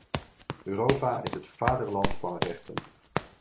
Europa is het vaderland van rechten.